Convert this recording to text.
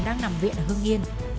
đang nằm viện ở hương yên